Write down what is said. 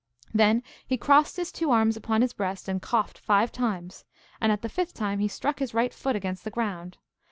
Then he crossed his two arms upon his breast and coughed five times, and at the fifth time he struck his right foot against the ground.